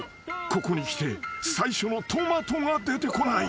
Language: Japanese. ここにきて最初のトマトが出てこない］